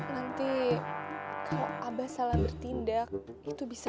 nanti kalau abah salah bertindak itu bisa